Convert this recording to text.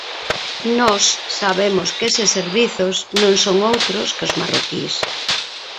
Nós sabemos que eses servizos non son outros que os marroquís.